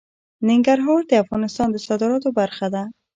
ننګرهار د افغانستان د صادراتو برخه ده.